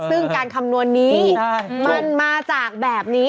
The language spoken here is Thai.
ซึ่งการคำนวณนี้มันมาจากแบบนี้